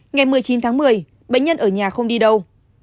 ngày một mươi chín tháng một mươi bệnh nhân ở nhà không đi đâu